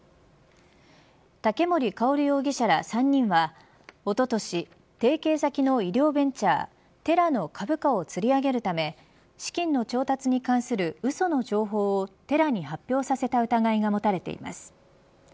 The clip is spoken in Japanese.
竹森郁容疑者ら３人はおととし提携先の医療ベンチャーテラの株価をつり上げるため資金の調達に関するうその情報をテラに発表させた疑いが持たれています。